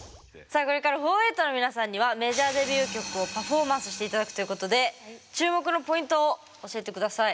さあこれからフォーエイト４８の皆さんにはメジャーデビュー曲をパフォーマンスして頂くということで注目のポイントを教えて下さい。